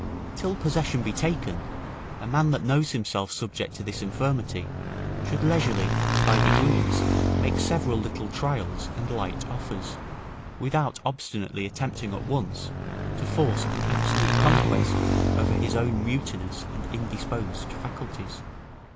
Till possession be taken, a man that knows himself subject to this infirmity, should leisurely and by degrees make several little trials and light offers, without obstinately attempting at once, to Force an absolute conquest over his own mutinous and indisposed faculties.